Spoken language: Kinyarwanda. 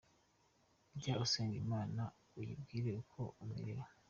Jya usenga Imana uyibwira uko umerewe.